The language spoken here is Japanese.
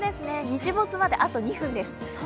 日没まであと２分です。